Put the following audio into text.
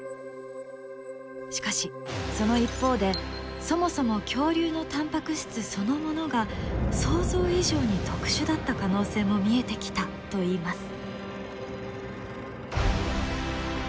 しかしその一方でそもそも恐竜のタンパク質そのものが想像以上に特殊だった可能性も見えてきたといいます。